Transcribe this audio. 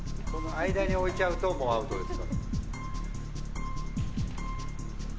間に置いちゃうとアウトです。